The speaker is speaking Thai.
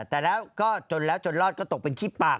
แต่แล้วก็จนแล้วจนรอดก็ตกเป็นขี้ปาก